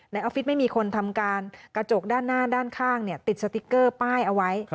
ออฟฟิศไม่มีคนทำการกระจกด้านหน้าด้านข้างติดสติ๊กเกอร์ป้ายเอาไว้